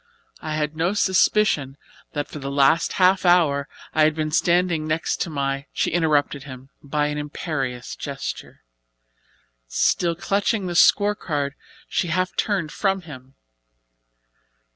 I had no suspicion that for the last half hour I had been standing next to my " She interrupted him by an imperious gesture. Still clutching the scorecard she half turned from him.